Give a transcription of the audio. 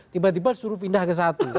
tiba tiba suruh pindah ke satu